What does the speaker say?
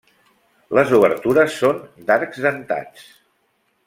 Les obertures són d'arcs dentats.